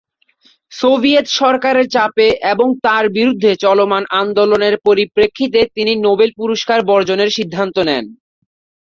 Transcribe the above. Soviet সরকারের চাপে এবং তার বিরুদ্ধে চলমান আন্দোলনের পরিপ্রেক্ষিতে তিনি নোবেল পুরস্কার বর্জনের সিদ্ধান্ত নেন।